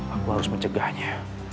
aku harus mencegahnya